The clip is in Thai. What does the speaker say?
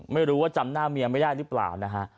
ไม่รู้ว่าจำหน้าเมียไม่ได้หรือเปล่านะฮะ